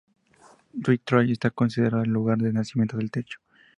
Detroit está considerado el lugar de nacimiento del techno.